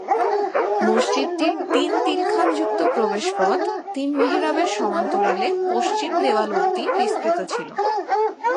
মসজিদটির তিন খিলানযুক্ত প্রবেশপথ তিন মিহরাবের সমান্তরালে পশ্চিম দেওয়াল অবধি বিস্তৃত ছিল।